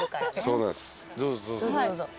どうぞどうぞ。